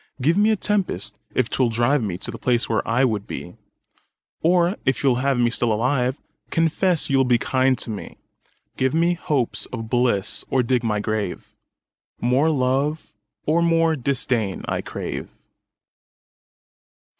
Give me a tempest if 'twill drive Me to the place where I would be; Or if you'll have me still alive, Confess you will be kind to me. 10 Give hopes of bliss or dig my grave: More love or more disdain I crave.